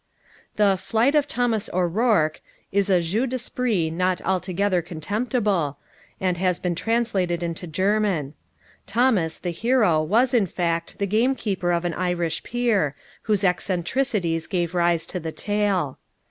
The "Flight of Thomas O'Rourke," is a jeu d' esprit not altogether contemptible, and has been translated into German. Thomas, the hero, was, in fact, the gamekeeper of an Irish peer, whose eccentricities gave rise to the tale.